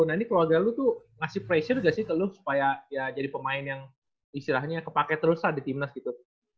nah ini keluarga lo tuh ngasih pressure gak sih ke lu supaya ya jadi pemain yang istilahnya kepake terusan di timnas gitu